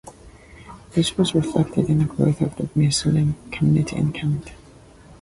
This was reflected in the growth of the Muslim community in Canada.